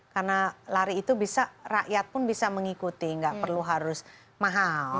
karena lari itu bisa rakyat pun bisa mengikuti gak perlu harus mahal